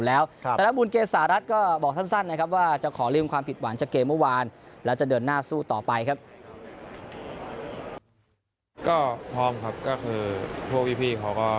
เหมือนกับว่าให้ลืมไปอะไรอย่างนี้